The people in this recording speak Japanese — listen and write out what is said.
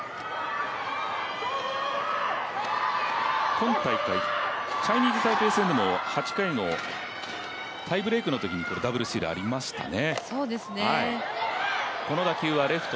今大会、チャイニーズ・タイペイ戦でも８回のタイブレークのときにダブルスチールありましたね。